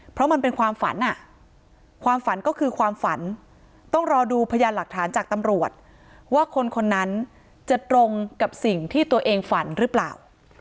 เพราะมันเป็นความฝันความฝันก็คือความฝันต้องรอดูพยานหลักฐานจากตำรวจว่าคนคนนั้นจะตรงกับสิ่งที่ตัวเองฝันหรือเปล่า